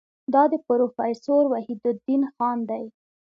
دا د پروفیسور وحیدالدین خان دی.